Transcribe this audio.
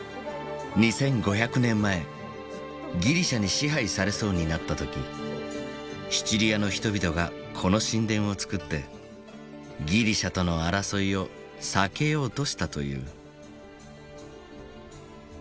２，５００年前ギリシャに支配されそうになった時シチリアの人々がこの神殿を作ってギリシャとの争いを避けようとしたという。